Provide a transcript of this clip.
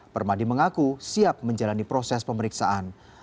permadi mengaku siap menjalani proses pemeriksaan